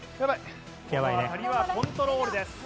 ここは鍵はコントロールです